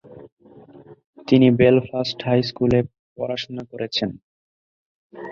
তিনি "Belfast high স্কুলে" পড়াশোনা করেছেন।